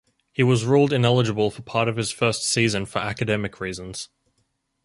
He was ruled ineligible for part of his first season for academic reasons.